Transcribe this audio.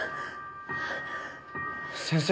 先生？